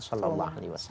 nah betapa pentingnya